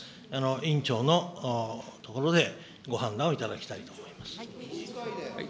委員長のところでご判断をいただきたいと思います。